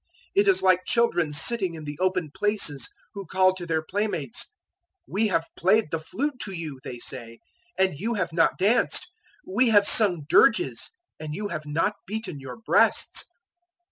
It is like children sitting in the open places, who call to their playmates. 011:017 "`We have played the flute to you,' they say, `and you have not danced: we have sung dirges, and you have not beaten your breasts.'